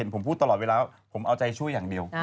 ผมพูดตลอดเวลาผมเอาใจช่วยอย่างเดียว